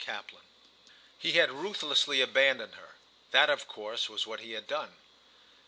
CHAPTER VIII. He had ruthlessly abandoned her—that of course was what he had done.